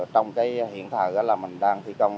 trong cái hiện thật là mình đang thi công